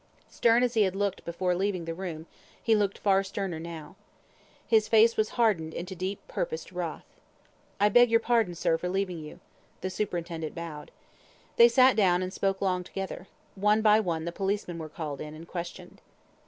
Stern as he had looked before leaving the room, he looked far sterner now. His face was hardened into deep purposed wrath. "I beg your pardon, sir, for leaving you." The superintendent bowed. They sat down, and spoke long together. One by one the policemen were called in, and questioned.